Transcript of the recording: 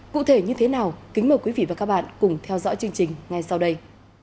cụ thể như thế nào kính mời quý vị và các bạn cùng theo dõi chương trình ngay sau đây